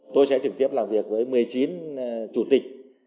tôi sẽ trực tiếp làm việc với một mươi chín chủ tịch